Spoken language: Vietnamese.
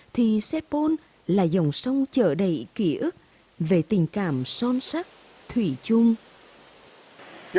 thì xepôn là dòng sông trở đầy ký ức về tình cảm son sắc thủy chung